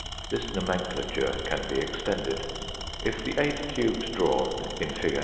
This nomenclature can be extended. If the eight cubes drawn, in fig.